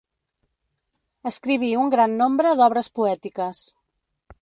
Escriví un gran nombre d'obres poètiques.